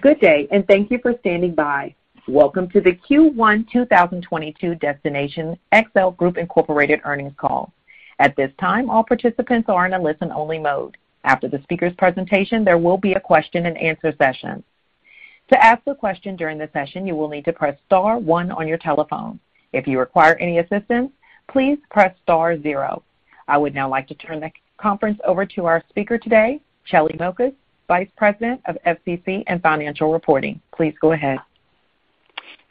Good day, and thank you for standing by. Welcome to The Q1 2022 Destination XL Group, Inc. Earnings Call. At this time, all participants are in a listen-only mode. After the speaker's presentation, there will be a question-and-answer session. To ask a question during the session, you will need to press star one on your telephone. If you require any assistance, please press star zero. I would now like to turn the conference over to our speaker today, Shelly Mokas, Vice President of SEC and Financial Reporting. Please go ahead.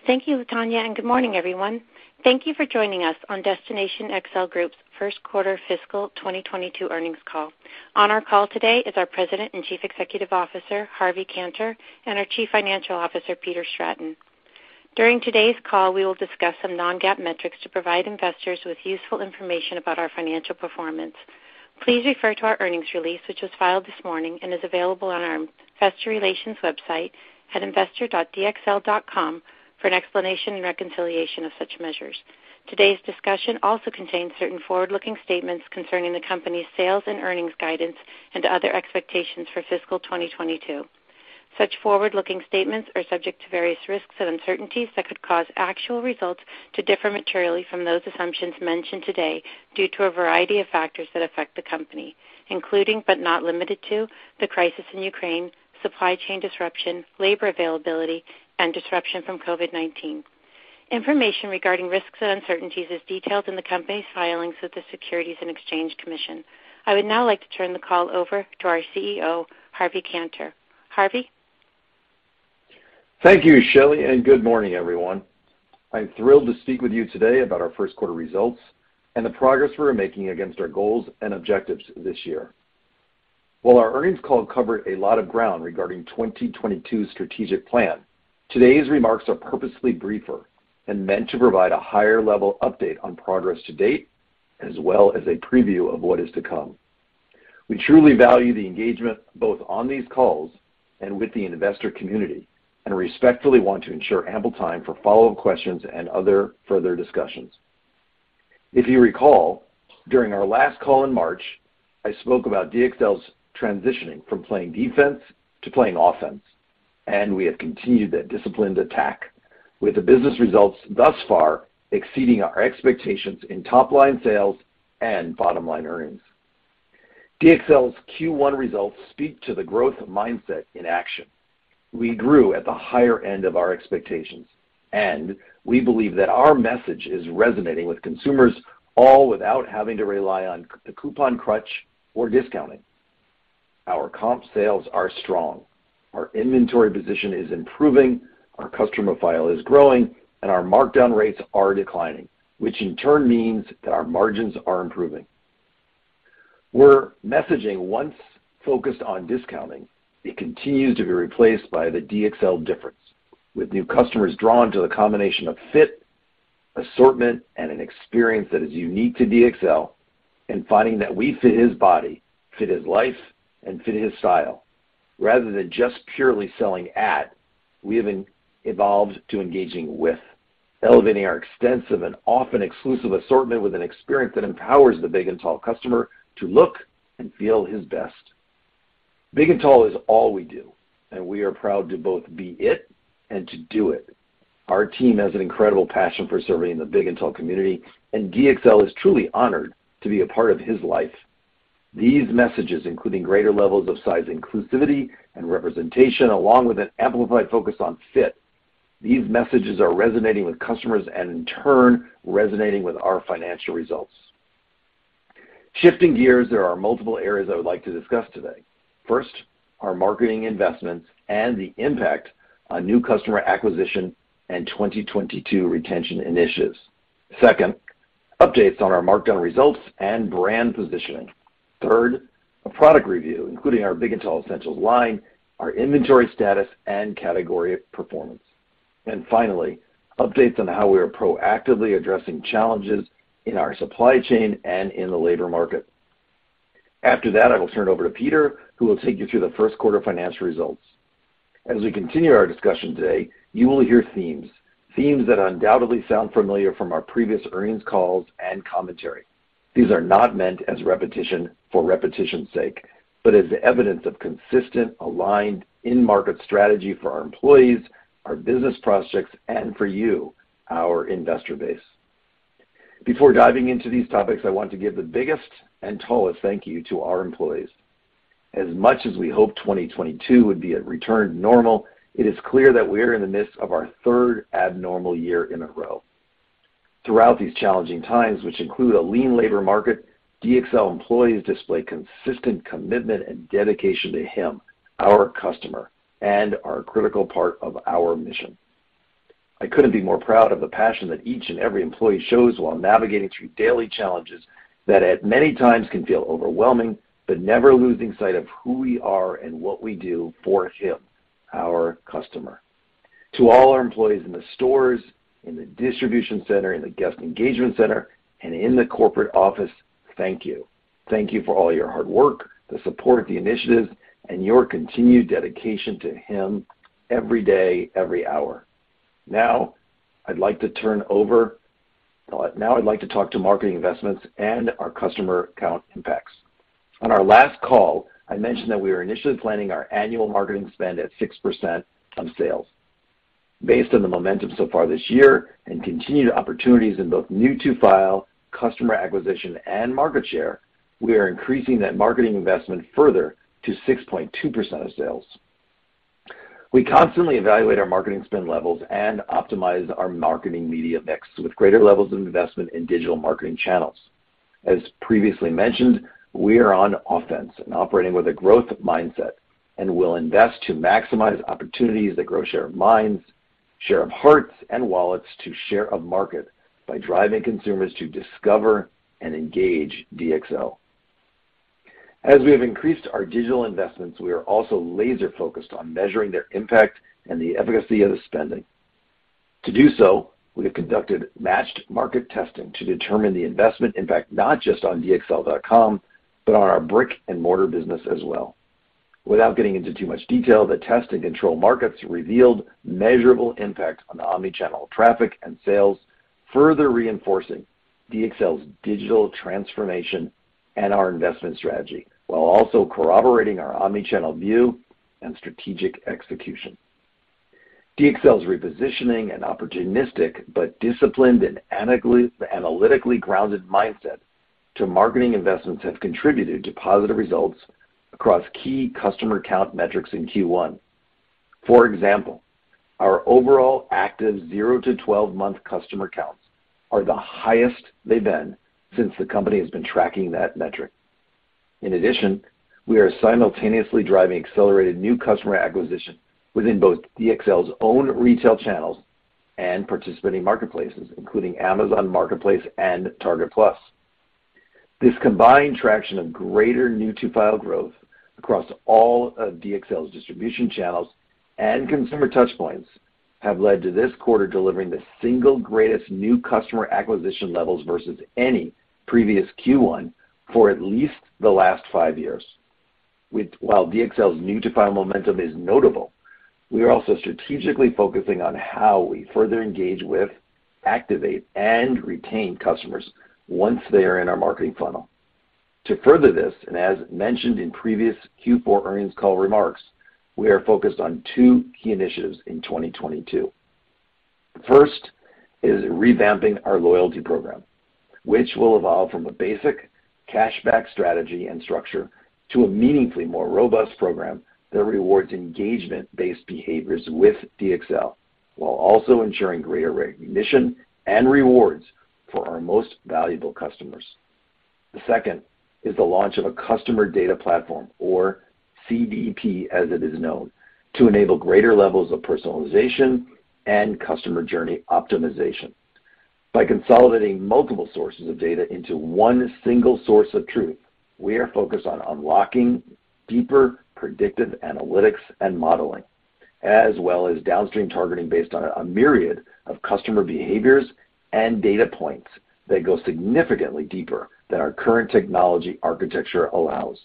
Thank you, Tanya, and good morning, everyone. Thank you for joining us on Destination XL Group's First Quarter Fiscal 2022 Earnings Call. On our call today is our President and Chief Executive Officer, Harvey Kanter, and our Chief Financial Officer, Peter Stratton. During today's call, we will discuss some non-GAAP metrics to provide investors with useful information about our financial performance. Please refer to our earnings release, which was filed this morning and is available on our investor relations website at investor.dxl.com for an explanation and reconciliation of such measures. Today's discussion also contains certain forward-looking statements concerning the company's sales and earnings guidance and other expectations for fiscal 2022. Such forward-looking statements are subject to various risks and uncertainties that could cause actual results to differ materially from those assumptions mentioned today due to a variety of factors that affect the company, including, but not limited to, the crisis in Ukraine, supply chain disruption, labor availability, and disruption from COVID-19. Information regarding risks and uncertainties is detailed in the company's filings with the Securities and Exchange Commission. I would now like to turn the call over to our CEO, Harvey Kanter. Harvey? Thank you, Shelly, and good morning, everyone. I'm thrilled to speak with you today about our first quarter results and the progress we are making against our goals and objectives this year. While our earnings call covered a lot of ground regarding 2022 strategic plan, today's remarks are purposely briefer and meant to provide a higher level update on progress to date as well as a preview of what is to come. We truly value the engagement, both on these calls and with the investor community, and respectfully want to ensure ample time for follow-up questions and other further discussions. If you recall, during our last call in March, I spoke about DXL's transitioning from playing defense to playing offense, and we have continued that disciplined attack with the business results thus far exceeding our expectations in top-line sales and bottom-line earnings. DXL's Q1 results speak to the growth mindset in action. We grew at the higher end of our expectations, and we believe that our message is resonating with consumers all without having to rely on the coupon crutch or discounting. Our comp sales are strong. Our inventory position is improving, our customer profile is growing, and our markdown rates are declining, which in turn means that our margins are improving. Our messaging once focused on discounting. It continues to be replaced by the DXL difference, with new customers drawn to the combination of fit, assortment, and an experience that is unique to DXL and finding that we fit his body, fit his life, and fit his style. Rather than just purely selling at, we have evolved to engaging with, elevating our extensive and often exclusive assortment with an experience that empowers the big and tall customer to look and feel his best. Big and tall is all we do, and we are proud to both be it and to do it. Our team has an incredible passion for serving the big and tall community, and DXL is truly honored to be a part of his life. These messages, including greater levels of size inclusivity and representation, along with an amplified focus on fit, these messages are resonating with customers and in turn resonating with our financial results. Shifting gears, there are multiple areas I would like to discuss today. First, our marketing investments and the impact on new customer acquisition and 2022 retention initiatives. Second, updates on our markdown results and brand positioning. Third, a product review, including our Big and Tall Essentials line, our inventory status, and category performance. Finally, updates on how we are proactively addressing challenges in our supply chain and in the labor market. After that, I will turn it over to Peter, who will take you through the first quarter financial results. As we continue our discussion today, you will hear themes that undoubtedly sound familiar from our previous earnings calls and commentary. These are not meant as repetition for repetition's sake, but as evidence of consistent, aligned in-market strategy for our employees, our business prospects, and for you, our investor base. Before diving into these topics, I want to give the biggest and tallest thank you to our employees. As much as we hope 2022 would be a return to normal, it is clear that we are in the midst of our third abnormal year in a row. Throughout these challenging times, which include a lean labor market, DXL employees display consistent commitment and dedication to him, our customer, and are a critical part of our mission. I couldn't be more proud of the passion that each and every employee shows while navigating through daily challenges that at many times can feel overwhelming, but never losing sight of who we are and what we do for him, our customer. To all our employees in the stores, in the distribution center, in the guest engagement center, and in the corporate office, thank you. Thank you for all your hard work, the support of the initiative, and your continued dedication to him every day, every hour. Now, I'd like to talk to marketing investments and our customer count impacts. On our last call, I mentioned that we were initially planning our annual marketing spend at 6% of sales. Based on the momentum so far this year and continued opportunities in both new to file, customer acquisition, and market share, we are increasing that marketing investment further to 6.2% of sales. We constantly evaluate our marketing spend levels and optimize our marketing media mix with greater levels of investment in digital marketing channels. As previously mentioned, we are on offense and operating with a growth mindset, and will invest to maximize opportunities that grow share of minds, share of hearts and wallets to share of market by driving consumers to discover and engage DXL. As we have increased our digital investments, we are also laser-focused on measuring their impact and the efficacy of the spending. To do so, we have conducted matched market testing to determine the investment impact, not just on DXL.com, but on our brick-and-mortar business as well. Without getting into too much detail, the test and control markets revealed measurable impact on omni-channel traffic and sales, further reinforcing DXL's digital transformation and our investment strategy, while also corroborating our omni-channel view and strategic execution. DXL's repositioning and opportunistic, but disciplined and analytically grounded mindset to marketing investments have contributed to positive results across key customer count metrics in Q1. For example, our overall active zero to twelve-month customer counts are the highest they've been since the company has been tracking that metric. In addition, we are simultaneously driving accelerated new customer acquisition within both DXL's own retail channels and participating marketplaces, including Amazon Marketplace and Target Plus. This combined traction of greater new to file growth across all of DXL's distribution channels and consumer touch points have led to this quarter delivering the single greatest new customer acquisition levels versus any previous Q1 for at least the last five years. While DXL's new to file momentum is notable, we are also strategically focusing on how we further engage with, activate, and retain customers once they are in our marketing funnel. To further this, and as mentioned in previous Q4 earnings call remarks, we are focused on two key initiatives in 2022. First is revamping our loyalty program, which will evolve from a basic cashback strategy and structure to a meaningfully more robust program that rewards engagement-based behaviors with DXL, while also ensuring greater recognition and rewards for our most valuable customers. The second is the launch of a customer data platform, or CDP as it is known, to enable greater levels of personalization and customer journey optimization. By consolidating multiple sources of data into one single source of truth, we are focused on unlocking deeper predictive analytics and modeling, as well as downstream targeting based on a myriad of customer behaviors and data points that go significantly deeper than our current technology architecture allows.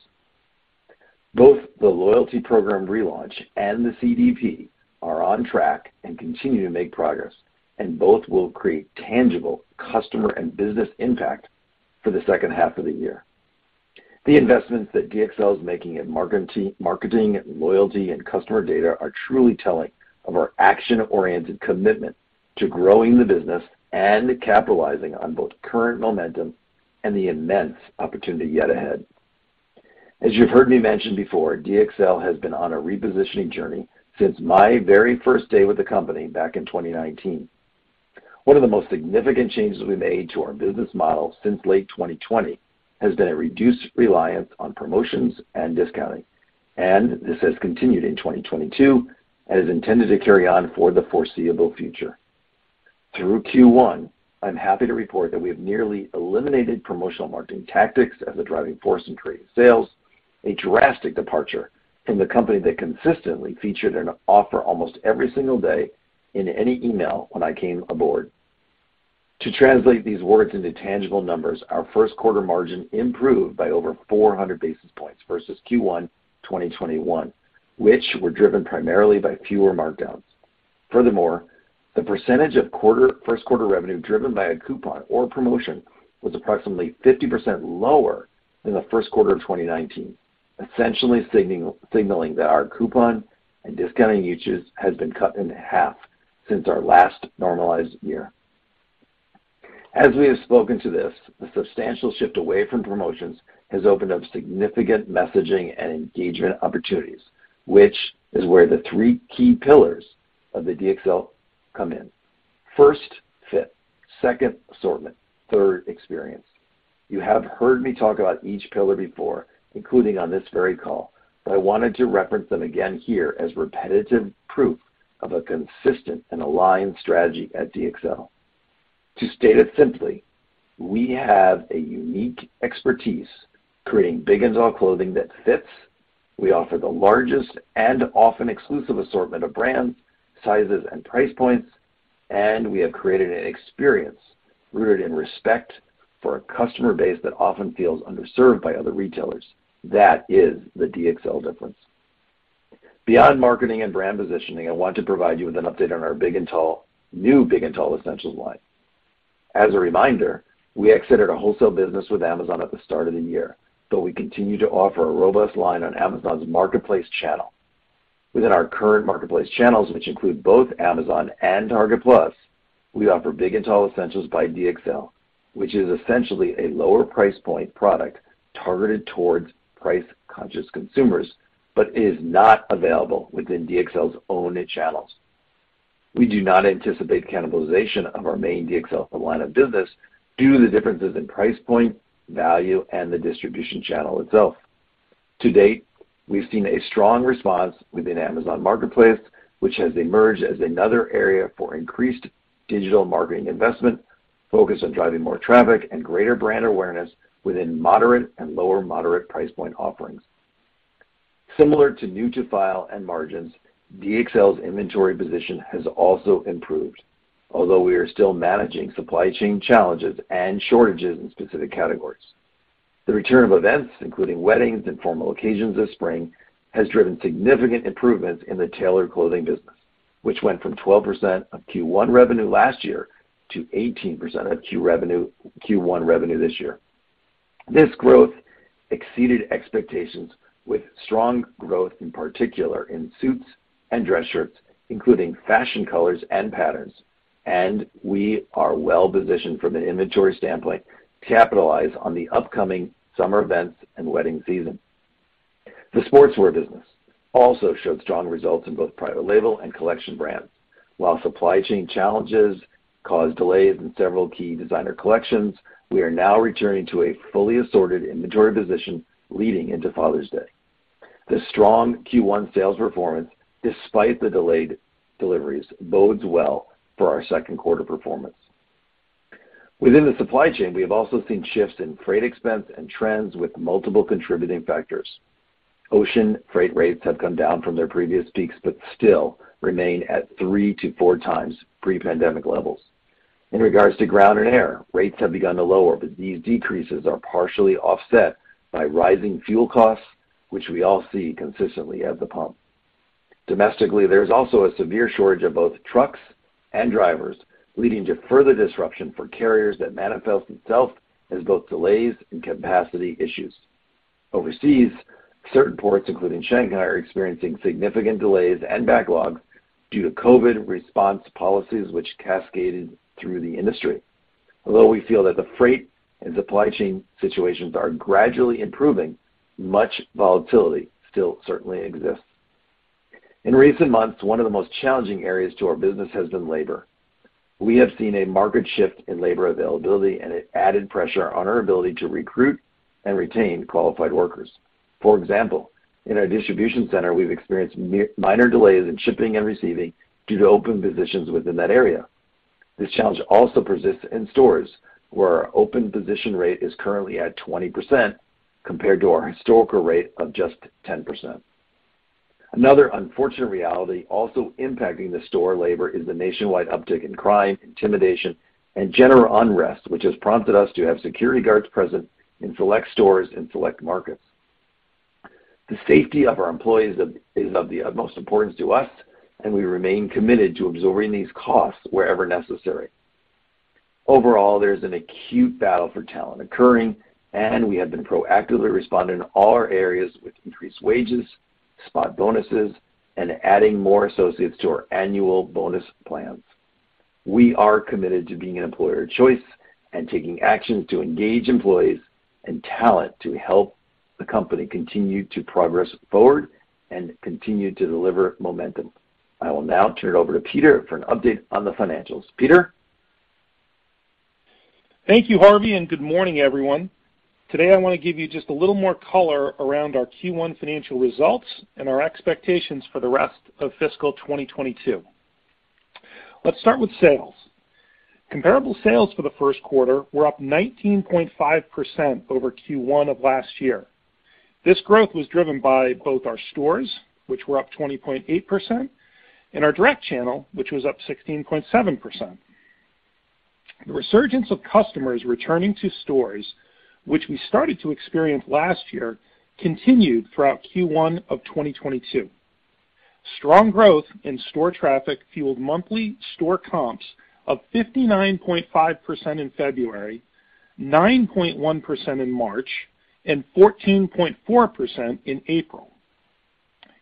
Both the loyalty program relaunch and the CDP are on track and continue to make progress, and both will create tangible customer and business impact for the second half of the year. The investments that DXL is making in marketing, loyalty, and customer data are truly telling of our action-oriented commitment to growing the business and capitalizing on both current momentum and the immense opportunity yet ahead. As you've heard me mention before, DXL has been on a repositioning journey since my very first day with the company back in 2019. One of the most significant changes we made to our business model since late 2020 has been a reduced reliance on promotions and discounting, and this has continued in 2022 and is intended to carry on for the foreseeable future. Through Q1, I'm happy to report that we have nearly eliminated promotional marketing tactics as a driving force in creating sales, a drastic departure from the company that consistently featured an offer almost every single day in any email when I came aboard. To translate these words into tangible numbers, our first quarter margin improved by over 400 basis points versus Q1 2021, which were driven primarily by fewer markdowns. Furthermore, the percentage of first quarter revenue driven by a coupon or promotion was approximately 50% lower than the first quarter of 2019, essentially signaling that our coupon and discounting usage has been cut in half since our last normalized year. As we have spoken to this, the substantial shift away from promotions has opened up significant messaging and engagement opportunities, which is where the three key pillars of the DXL come in. First, fit. Second, assortment. Third, experience. You have heard me talk about each pillar before, including on this very call, but I wanted to reference them again here as repetitive proof of a consistent and aligned strategy at DXL. To state it simply, we have a unique expertise creating big-and-tall clothing that fits. We offer the largest and often exclusive assortment of brands, sizes, and price points, and we have created an experience rooted in respect for a customer base that often feels underserved by other retailers. That is the DXL difference. Beyond marketing and brand positioning, I want to provide you with an update on our new Big and Tall Essentials line. As a reminder, we exited a wholesale business with Amazon at the start of the year, but we continue to offer a robust line on Amazon Marketplace channel. Within our current Marketplace channels, which include both Amazon and Target Plus, we offer Big and Tall Essentials by DXL, which is essentially a lower price point product targeted toward price-conscious consumers, but is not available within DXL's owned channels. We do not anticipate cannibalization of our main DXL line of business due to the differences in price point, value, and the distribution channel itself. To date, we've seen a strong response within Amazon Marketplace, which has emerged as another area for increased digital marketing investment focused on driving more traffic and greater brand awareness within moderate and lower moderate price point offerings. Similar to new to brand and margins, DXL's inventory position has also improved, although we are still managing supply chain challenges and shortages in specific categories. The return of events, including weddings and formal occasions this spring, has driven significant improvements in the tailored clothing business, which went from 12% of Q1 revenue last year to 18% of Q1 revenue this year. This growth exceeded expectations with strong growth, in particular in suits and dress shirts, including fashion colors and patterns, and we are well positioned from an inventory standpoint to capitalize on the upcoming summer events and wedding season. The sportswear business also showed strong results in both private label and collection brands. While supply chain challenges caused delays in several key designer collections, we are now returning to a fully assorted inventory position leading into Father's Day. The strong Q1 sales performance, despite the delayed deliveries, bodes well for our second quarter performance. Within the supply chain, we have also seen shifts in freight expense and trends with multiple contributing factors. Ocean freight rates have come down from their previous peaks, but still remain at three to four times pre-pandemic levels. In regards to ground and air, rates have begun to lower, but these decreases are partially offset by rising fuel costs, which we all see consistently at the pump. Domestically, there is also a severe shortage of both trucks and drivers, leading to further disruption for carriers that manifests itself as both delays and capacity issues. Overseas, certain ports, including Shanghai, are experiencing significant delays and backlogs due to COVID response policies which cascaded through the industry. Although we feel that the freight and supply chain situations are gradually improving, much volatility still certainly exists. In recent months, one of the most challenging areas to our business has been labor. We have seen a market shift in labor availability and an added pressure on our ability to recruit and retain qualified workers. For example, in our distribution center, we've experienced minor delays in shipping and receiving due to open positions within that area. This challenge also persists in stores, where our open position rate is currently at 20% compared to our historical rate of just 10%. Another unfortunate reality also impacting the store labor is the nationwide uptick in crime, intimidation, and general unrest, which has prompted us to have security guards present in select stores in select markets. The safety of our employees is of the utmost importance to us, and we remain committed to absorbing these costs wherever necessary. Overall, there's an acute battle for talent occurring, and we have been proactively responding in all our areas with increased wages, spot bonuses, and adding more associates to our annual bonus plans. We are committed to being an employer of choice and taking actions to engage employees and talent to help the company continue to progress forward and continue to deliver momentum. I will now turn it over to Peter for an update on the financials. Peter? Thank you, Harvey, and good morning, everyone. Today, I want to give you just a little more color around our Q1 financial results and our expectations for the rest of fiscal 2022. Let's start with sales. Comparable sales for the first quarter were up 19.5% over Q1 of last year. This growth was driven by both our stores, which were up 20.8%, and our direct channel, which was up 16.7%. The resurgence of customers returning to stores, which we started to experience last year, continued throughout Q1 of 2022. Strong growth in store traffic fueled monthly store comps of 59.5% in February, 9.1% in March, and 14.4% in April.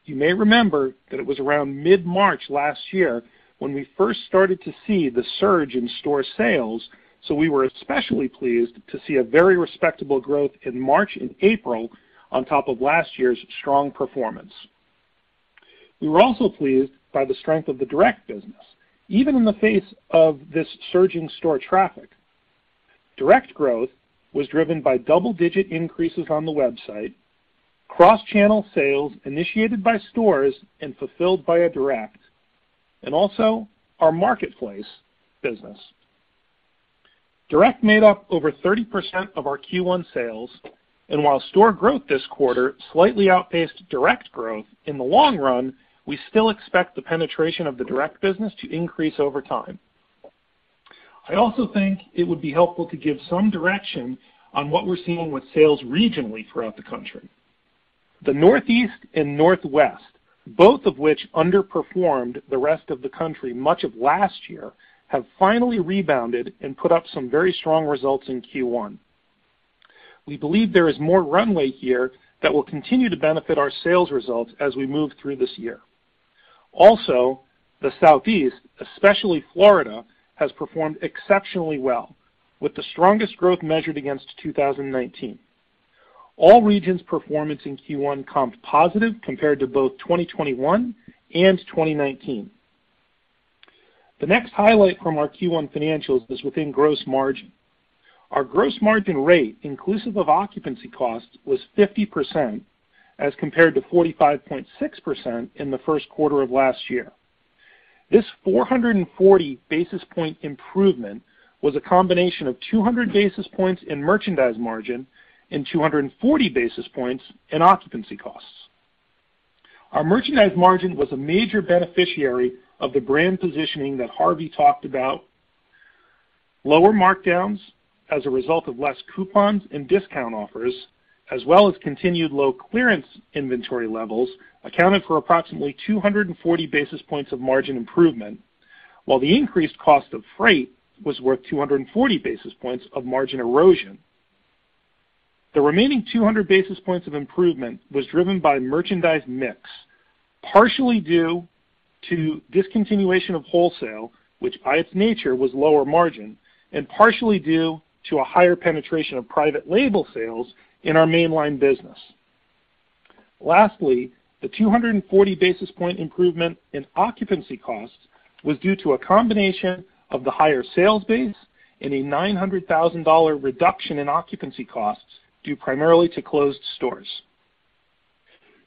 You may remember that it was around mid-March last year when we first started to see the surge in store sales, so we were especially pleased to see a very respectable growth in March and April on top of last year's strong performance. We were also pleased by the strength of the direct business, even in the face of this surging store traffic. Direct growth was driven by double-digit increases on the website, cross-channel sales initiated by stores and fulfilled via direct, and also our marketplace business. Direct made up over 30% of our Q1 sales, and while store growth this quarter slightly outpaced direct growth, in the long run, we still expect the penetration of the direct business to increase over time. I also think it would be helpful to give some direction on what we're seeing with sales regionally throughout the country. The Northeast and Northwest, both of which underperformed the rest of the country much of last year, have finally rebounded and put up some very strong results in Q1. We believe there is more runway here that will continue to benefit our sales results as we move through this year. Also, the Southeast, especially Florida, has performed exceptionally well with the strongest growth measured against 2019. All regions performance in Q1 comped positive compared to both 2021 and 2019. The next highlight from our Q1 financials is within gross margin. Our gross margin rate, inclusive of occupancy costs, was 50% as compared to 45.6% in the first quarter of last year. This 440 basis point improvement was a combination of 200 basis points in merchandise margin and 240 basis points in occupancy costs. Our merchandise margin was a major beneficiary of the brand positioning that Harvey talked about. Lower markdowns as a result of less coupons and discount offers as well as continued low clearance inventory levels accounted for approximately 240 basis points of margin improvement, while the increased cost of freight was worth 240 basis points of margin erosion. The remaining 200 basis points of improvement was driven by merchandise mix, partially due to discontinuation of wholesale, which by its nature was lower margin and partially due to a higher penetration of private label sales in our mainline business. Lastly, the 240 basis point improvement in occupancy costs was due to a combination of the higher sales base and a $900,000 reduction in occupancy costs, due primarily to closed stores.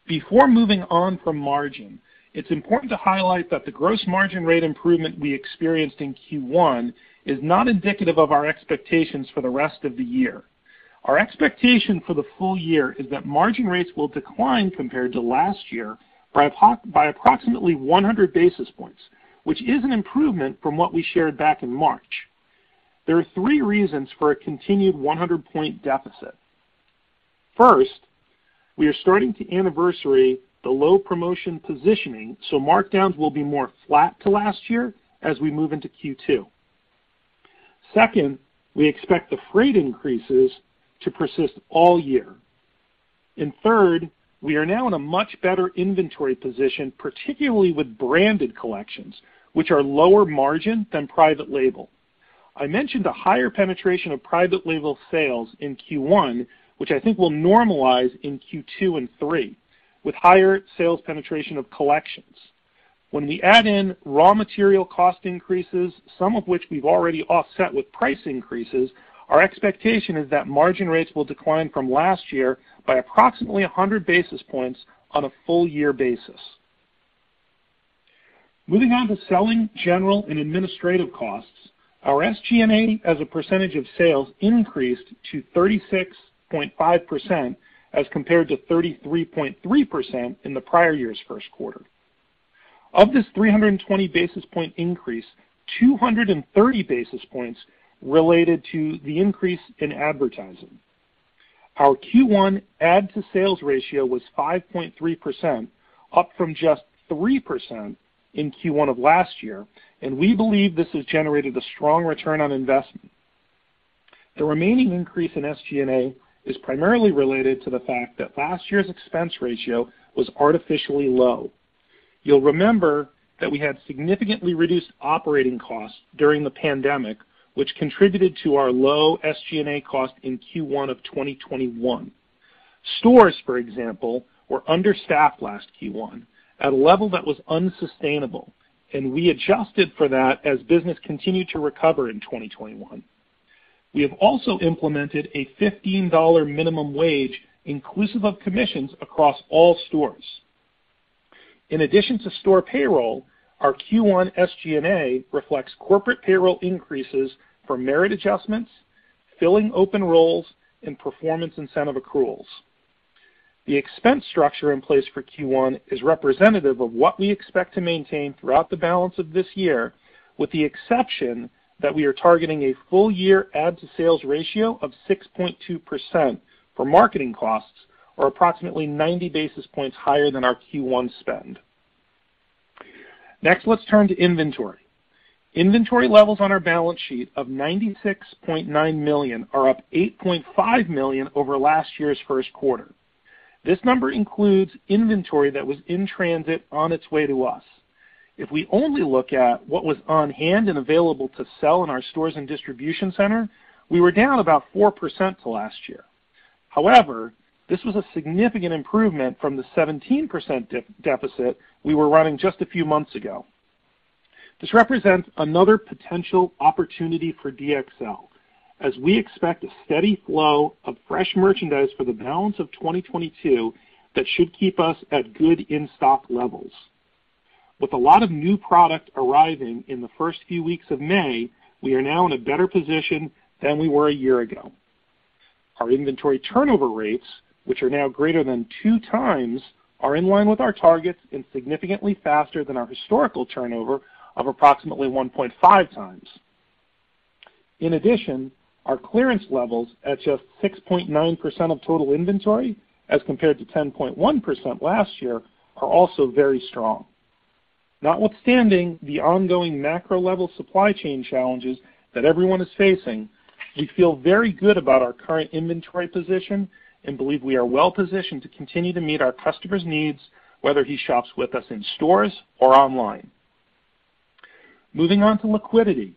Before moving on from margin, it's important to highlight that the gross margin rate improvement we experienced in Q1 is not indicative of our expectations for the rest of the year. Our expectation for the full year is that margin rates will decline compared to last year by approximately 100 basis points, which is an improvement from what we shared back in March. There are three reasons for a continued 100-point deficit. First, we are starting to anniversary the low promotion positioning, so markdowns will be more flat to last year as we move into Q2. Second, we expect the freight increases to persist all year. Third, we are now in a much better inventory position, particularly with branded collections which are lower margin than private label. I mentioned a higher penetration of private label sales in Q1, which I think will normalize in Q2 and Q3 with higher sales penetration of collections. When we add in raw material cost increases, some of which we've already offset with price increases, our expectation is that margin rates will decline from last year by approximately 100 basis points on a full year basis. Moving on to selling, general, and administrative costs. Our SG&A as a percentage of sales increased to 36.5% as compared to 33.3% in the prior year's first quarter. Of this 320 basis point increase, 230 basis points related to the increase in advertising. Our Q1 ad to sales ratio was 5.3%, up from just 3% in Q1 of last year, and we believe this has generated a strong return on investment. The remaining increase in SG&A is primarily related to the fact that last year's expense ratio was artificially low. You'll remember that we had significantly reduced operating costs during the pandemic, which contributed to our low SG&A cost in Q1 of 2021. Stores, for example, were understaffed last Q1 at a level that was unsustainable, and we adjusted for that as business continued to recover in 2021. We have also implemented a $15 minimum wage inclusive of commissions across all stores. In addition to store payroll, our Q1 SG&A reflects corporate payroll increases for merit adjustments, filling open roles, and performance incentive accruals. The expense structure in place for Q1 is representative of what we expect to maintain throughout the balance of this year, with the exception that we are targeting a full year ad to sales ratio of 6.2% for marketing costs or approximately 90 basis points higher than our Q1 spend. Next, let's turn to inventory. Inventory levels on our balance sheet of $96.9 million are up $8.5 million over last year's first quarter. This number includes inventory that was in transit on its way to us. If we only look at what was on hand and available to sell in our stores and distribution center, we were down about 4% to last year. However, this was a significant improvement from the 17% deficit we were running just a few months ago. This represents another potential opportunity for DXL as we expect a steady flow of fresh merchandise for the balance of 2022 that should keep us at good in-stock levels. With a lot of new product arriving in the first few weeks of May, we are now in a better position than we were a year ago. Our inventory turnover rates, which are now greater than 2x, are in line with our targets and significantly faster than our historical turnover of approximately 1.5x. In addition, our clearance levels at just 6.9% of total inventory, as compared to 10.1% last year, are also very strong. Notwithstanding the ongoing macro level supply chain challenges that everyone is facing, we feel very good about our current inventory position and believe we are well positioned to continue to meet our customer's needs, whether he shops with us in stores or online. Moving on to liquidity.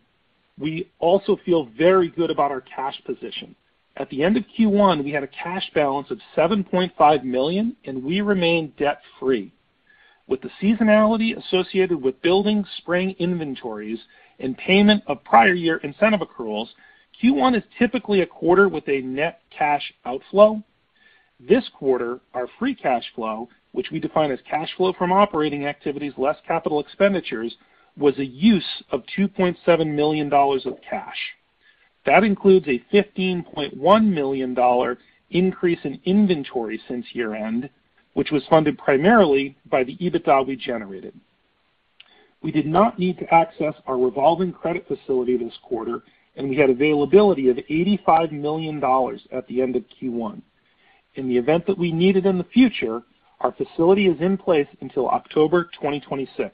We also feel very good about our cash position. At the end of Q1, we had a cash balance of $7.5 million, and we remain debt free. With the seasonality associated with building spring inventories and payment of prior year incentive accruals, Q1 is typically a quarter with a net cash outflow. This quarter, our free cash flow, which we define as cash flow from operating activities, less capital expenditures, was a use of $2.7 million of cash. That includes a $15.1 million increase in inventory since year-end, which was funded primarily by the EBITDA we generated. We did not need to access our revolving credit facility this quarter, and we had availability of $85 million at the end of Q1. In the event that we need it in the future, our facility is in place until October 2026.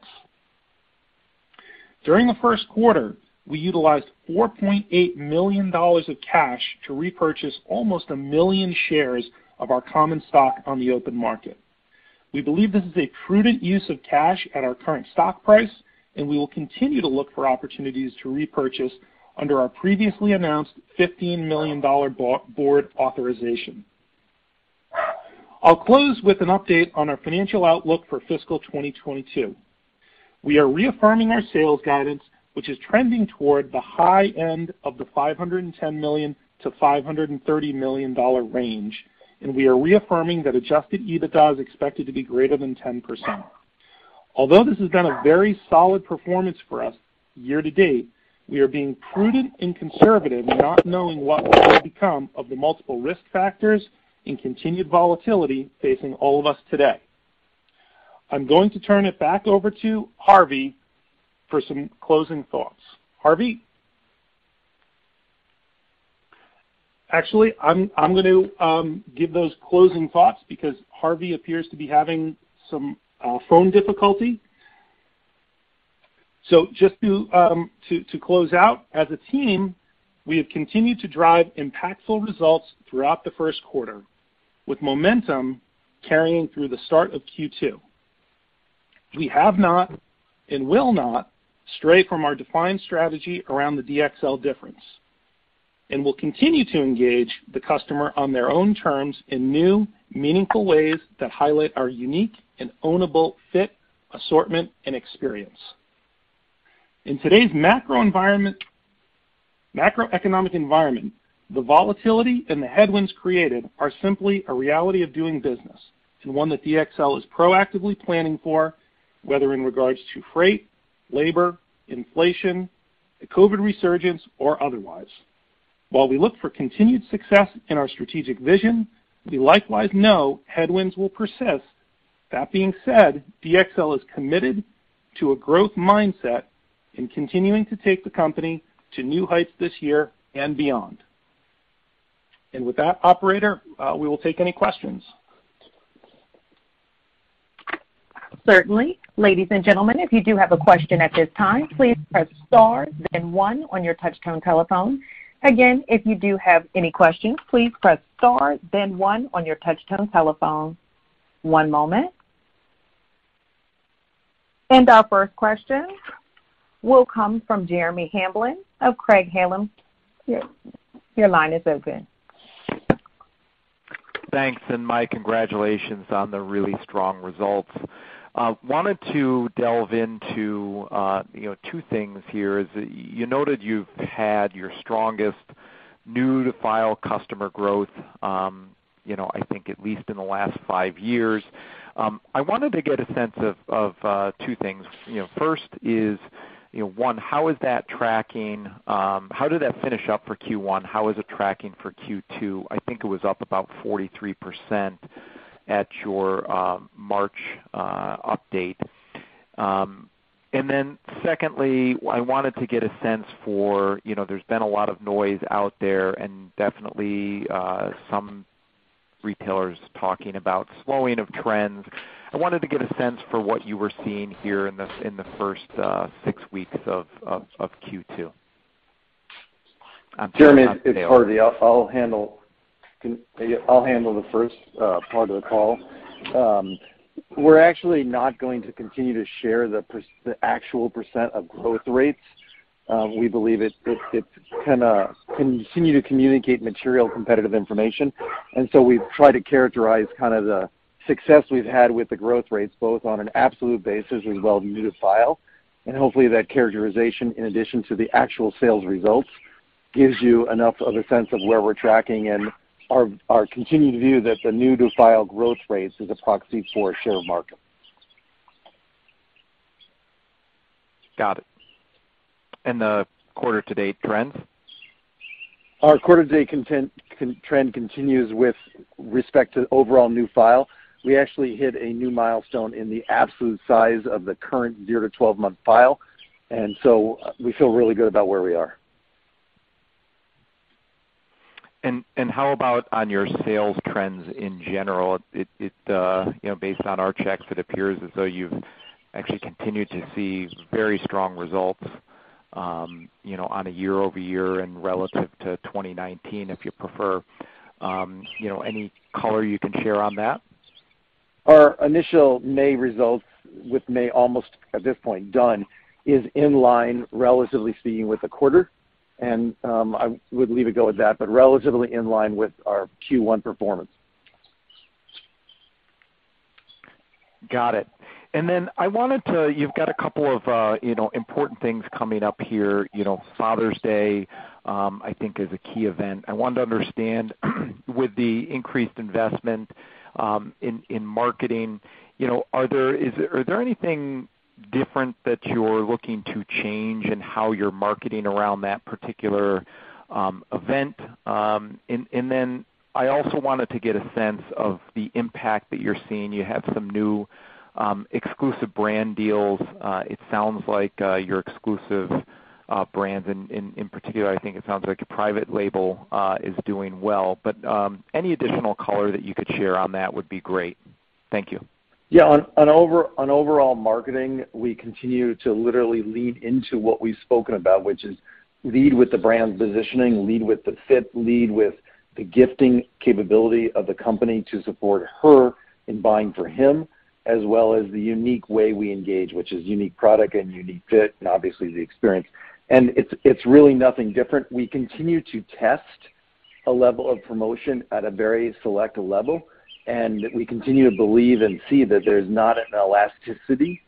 During the first quarter, we utilized $4.8 million of cash to repurchase almost 1 million shares of our common stock on the open market. We believe this is a prudent use of cash at our current stock price, and we will continue to look for opportunities to repurchase under our previously announced $15 million board authorization. I'll close with an update on our financial outlook for fiscal 2022. We are reaffirming our sales guidance, which is trending toward the high end of the $510 million-$530 million range, and we are reaffirming that Adjusted EBITDA is expected to be greater than 10%. Although this has been a very solid performance for us year to date, we are being prudent and conservative not knowing what will become of the multiple risk factors and continued volatility facing all of us today. I'm going to turn it back over to Harvey for some closing thoughts. Harvey? Actually, I'm gonna give those closing thoughts because Harvey appears to be having some phone difficulty. Just to close out, as a team, we have continued to drive impactful results throughout the first quarter, with momentum carrying through the start of Q2. We have not and will not stray from our defined strategy around the DXL difference, and we'll continue to engage the customer on their own terms in new, meaningful ways that highlight our unique and ownable fit, assortment, and experience. In today's macroeconomic environment, the volatility and the headwinds created are simply a reality of doing business and one that DXL is proactively planning for, whether in regards to freight, labor, inflation, a COVID resurgence or otherwise. While we look for continued success in our strategic vision, we likewise know headwinds will persist. That being said, DXL is committed to a growth mindset in continuing to take the company to new heights this year and beyond. With that, operator, we will take any questions. Certainly. Ladies and gentlemen, if you do have a question at this time, please press star then one on your touchtone telephone. Again, if you do have any questions, please press star then one on your touchtone telephone. One moment. Our first question will come from Jeremy Hamblin of Craig-Hallum Capital Group. Your line is open. Thanks. Mike, congratulations on the really strong results. Wanted to delve into two things here, as you noted you've had your strongest new to file customer growth, you know, I think at least in the last five years. I wanted to get a sense of two things. First is one, how is that tracking? How did that finish up for Q1? How is it tracking for Q2? I think it was up about 43% at your March update. And then secondly, I wanted to get a sense for, you know, there's been a lot of noise out there and definitely some retailers talking about slowing of trends. I wanted to get a sense for what you were seeing here in the first six weeks of Q2. Jeremy, it's Harvey. I'll handle the first part of the call. We're actually not going to continue to share the actual percent of growth rates. We believe it kinda can continue to communicate material competitive information. We've tried to characterize kind of the success we've had with the growth rates, both on an absolute basis as well as new to file. Hopefully, that characterization, in addition to the actual sales results, gives you enough of a sense of where we're tracking and our continued view that the new to file growth rates is a proxy for share of market. Got it. The quarter to date trends? Our quarter-to-date customer count trend continues with respect to overall new file. We actually hit a new milestone in the absolute size of the current zero to 12-month file, and so we feel really good about where we are. How about on your sales trends in general? It you know, based on our checks, it appears as though you've actually continued to see very strong results, you know, on a year-over-year and relative to 2019, if you prefer. You know, any color you can share on that? Our initial May results, with May almost at this point done, is in line relatively speaking with the quarter. I would leave it go at that, but relatively in line with our Q1 performance. Got it. I wanted to. You've got a couple of, you know, important things coming up here. You know, Father's Day, I think is a key event. I wanted to understand with the increased investment in marketing, you know, are there anything different that you're looking to change in how you're marketing around that particular event? I also wanted to get a sense of the impact that you're seeing. You have some new exclusive brand deals. It sounds like your exclusive brands in particular, I think it sounds like your private label is doing well. Any additional color that you could share on that would be great. Thank you. Yeah. On overall marketing, we continue to literally lead into what we've spoken about, which is lead with the brand positioning, lead with the fit, lead with the gifting capability of the company to support her in buying for him, as well as the unique way we engage, which is unique product and unique fit and obviously the experience. It's really nothing different. We continue to test a level of promotion at a very select level, and we continue to believe and see that there's not an elasticity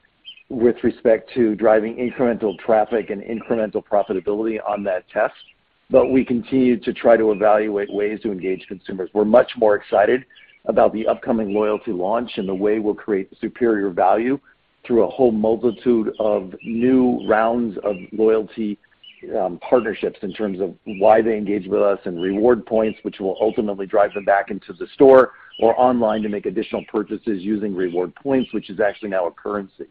with respect to driving incremental traffic and incremental profitability on that test. We continue to try to evaluate ways to engage consumers. We're much more excited about the upcoming loyalty launch and the way we'll create superior value through a whole multitude of new rounds of loyalty partnerships in terms of why they engage with us and reward points, which will ultimately drive them back into the store or online to make additional purchases using reward points, which is actually now a currency.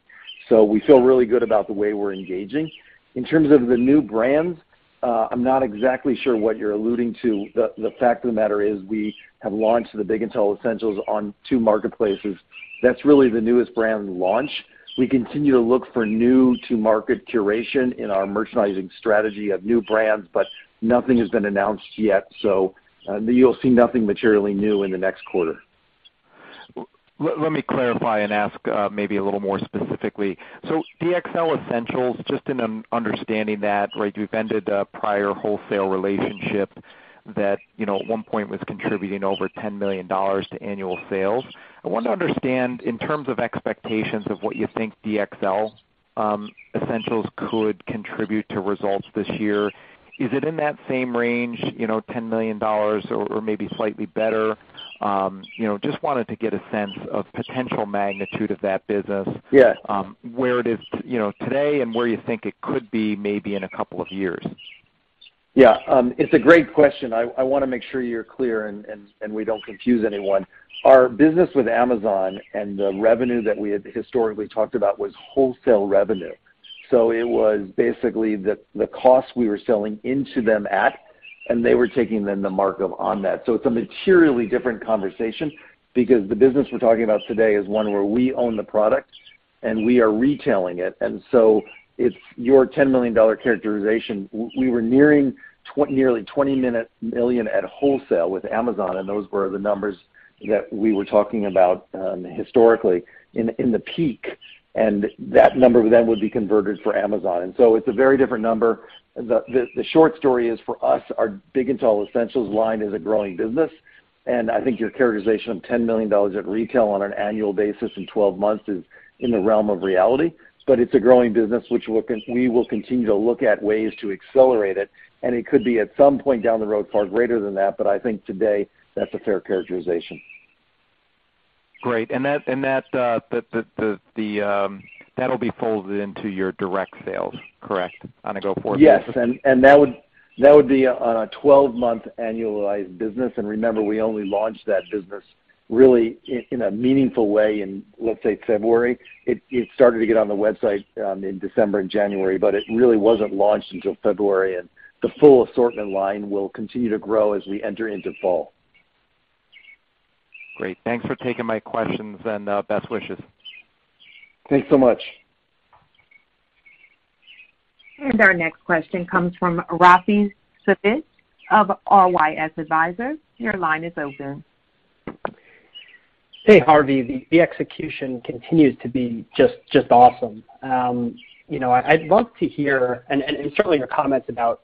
We feel really good about the way we're engaging. In terms of the new brands, I'm not exactly sure what you're alluding to. The fact of the matter is we have launched the Big and Tall Essentials on two marketplaces. That's really the newest brand launch. We continue to look for new to market curation in our merchandising strategy of new brands, but nothing has been announced yet. You'll see nothing materially new in the next quarter. Let me clarify and ask maybe a little more specifically. DXL Essentials, just in understanding that, right, you've ended a prior wholesale relationship that, you know, at one point was contributing over $10 million to annual sales. I wanted to understand in terms of expectations of what you think DXL Essentials could contribute to results this year. Is it in that same range, you know, $10 million or maybe slightly better? You know, just wanted to get a sense of potential magnitude of that business. Yes. Where it is, you know, today and where you think it could be maybe in a couple of years. Yeah. It's a great question. I want to make sure you're clear and we don't confuse anyone. Our business with Amazon and the revenue that we had historically talked about was wholesale revenue. It was basically the cost we were selling into them at, and they were taking then the markup on that. It's a materially different conversation because the business we're talking about today is one where we own the product, and we are retailing it. If your $10 million characterization. We were nearly $20 million at wholesale with Amazon, and those were the numbers that we were talking about historically in the peak. That number then would be converted for Amazon. It's a very different number. The short story is for us, our Big and Tall Essentials line is a growing business. I think your characterization of $10 million at retail on an annual basis in 12 months is in the realm of reality. It's a growing business which we will continue to look at ways to accelerate it, and it could be at some point down the road far greater than that. I think today that's a fair characterization. Great. That'll be folded into your direct sales, correct, on a go-forward basis? Yes. That would be on a 12-month annualized business. Remember, we only launched that business really in a meaningful way in, let's say, February. It started to get on the website in December and January, but it really wasn't launched until February. The full assortment line will continue to grow as we enter into fall. Great. Thanks for taking my questions and best wishes. Thanks so much. Our next question comes from Rafi Sufi of RYS Advisors. Your line is open. Hey, Harvey. The execution continues to be just awesome. You know, I'd love to hear. Certainly your comments about,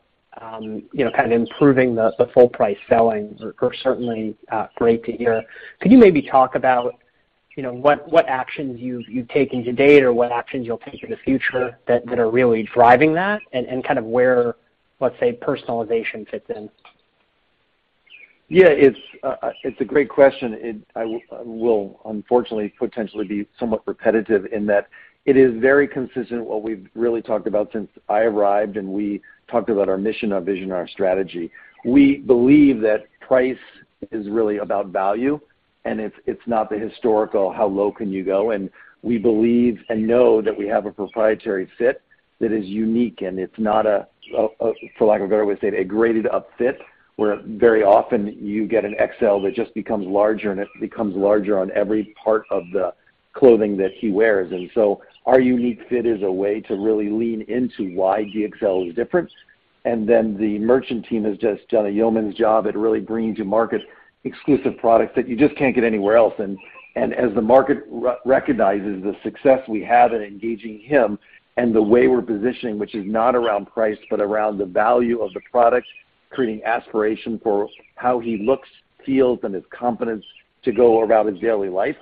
you know, kind of improving the full price selling are certainly great to hear. Could you maybe talk about, you know, what actions you've taken to date or what actions you'll take in the future that are really driving that and kind of where, let's say, personalization fits in? Yeah, it's a great question. I will unfortunately, potentially be somewhat repetitive in that it is very consistent what we've really talked about since I arrived, and we talked about our mission, our vision, our strategy. We believe that price is really about value, and it's not the historical how low can you go. We believe and know that we have a proprietary fit that is unique, and it's not a, for lack of a better way to say it, a graded up fit, where very often you get an XL that just becomes larger, and it becomes larger on every part of the clothing that he wears. Our unique fit is a way to really lean into why DXL is different. Then the merchant team has just done a yeoman's job at really bringing to market exclusive products that you just can't get anywhere else. As the market recognizes the success we have in engaging him and the way we're positioning, which is not around price, but around the value of the product, creating aspiration for how he looks, feels, and his confidence to go about his daily life,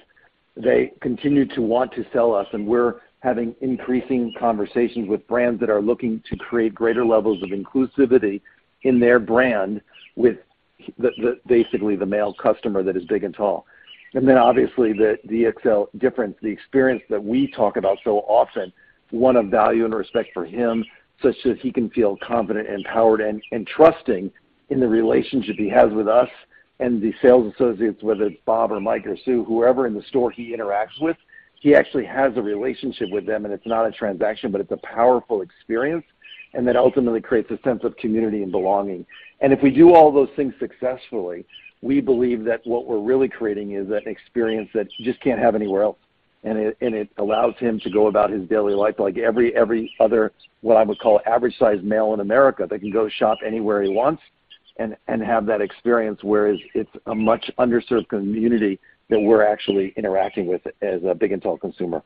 they continue to want to sell us. We're having increasing conversations with brands that are looking to create greater levels of inclusivity in their brand with the, basically the male customer that is big and tall. Obviously the DXL difference, the experience that we talk about so often, one of value and respect for him, such that he can feel confident and empowered and trusting in the relationship he has with us and the sales associates, whether it's Bob or Mike or Sue, whoever in the store he interacts with, he actually has a relationship with them. It's not a transaction, but it's a powerful experience. That ultimately creates a sense of community and belonging. If we do all those things successfully, we believe that what we're really creating is an experience that you just can't have anywhere else. It allows him to go about his daily life like every other, what I would call average sized male in America, that he can go shop anywhere he wants and have that experience. Whereas it's a much underserved community that we're actually interacting with as a big and tall consumer.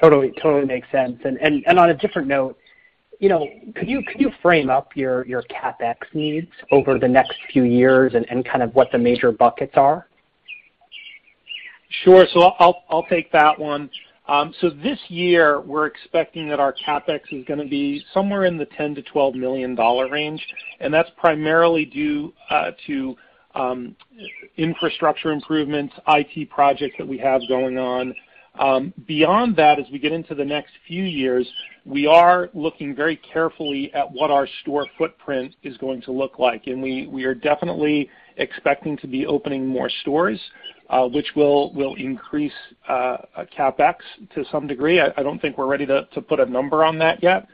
Totally makes sense. On a different note, you know, could you frame up your CapEx needs over the next few years and kind of what the major buckets are? Sure. I'll take that one. This year we're expecting that our CapEx is gonna be somewhere in the $10 million-$12 million range, and that's primarily due to infrastructure improvements, IT projects that we have going on. Beyond that, as we get into the next few years, we are looking very carefully at what our store footprint is going to look like. We are definitely expecting to be opening more stores, which will increase CapEx to some degree. I don't think we're ready to put a number on that yet.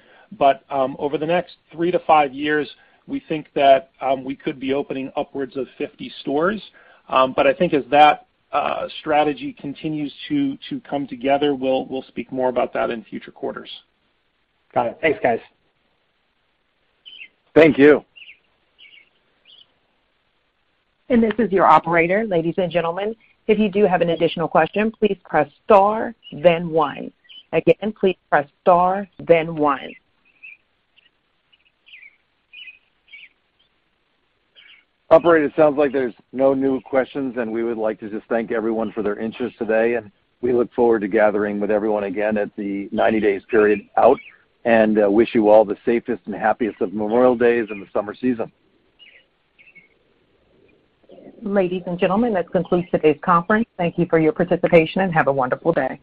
Over the next three to five years, we think that we could be opening upwards of 50 stores. I think as that strategy continues to come together, we'll speak more about that in future quarters. Got it. Thanks, guys. Thank you. This is your operator, ladies and gentlemen. If you do have an additional question, please press star then one. Again, please press star then one. Operator, it sounds like there's no new questions, and we would like to just thank everyone for their interest today, and we look forward to gathering with everyone again at the 90-day period out, and wish you all the safest and happiest of Memorial Day and the summer season. Ladies and gentlemen, this concludes today's conference. Thank you for your participation, and have a wonderful day.